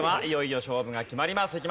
いよいよ勝負が決まります。